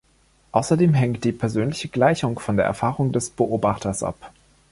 Außerdem hängt die Persönliche Gleichung von der Erfahrung des Beobachters ab.